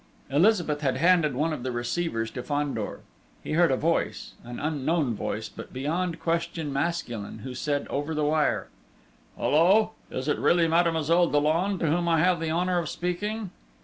Elizabeth had handed one of the receivers to Fandor. He heard a voice an unknown voice, but beyond question masculine who said, over the wire: "Hullo!... Is it really Mademoiselle Dollon to whom I have the honour of speaking?"